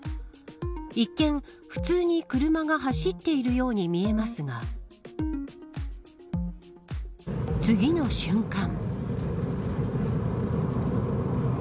一見、普通に車が走っているように見えますが次の瞬間。